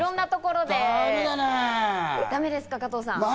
だめですか、加藤さん？